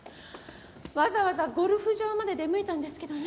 わざわざゴルフ場まで出向いたんですけどね。